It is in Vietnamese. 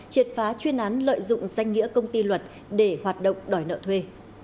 danh nghĩa công ty luật để hoạt động đòi nợ thuê